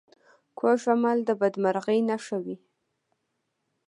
کوږ عمل د بدمرغۍ نښه وي